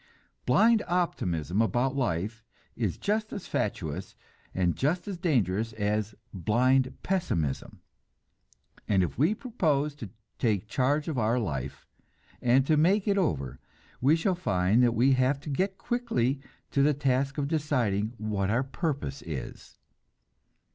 Blind optimism about life is just as fatuous and just as dangerous as blind pessimism, and if we propose to take charge of life, and to make it over, we shall find that we have to get quickly to the task of deciding what our purpose is.